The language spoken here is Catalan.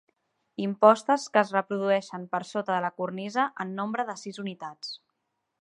Impostes que es reprodueixen per sota de la cornisa en nombre de sis unitats.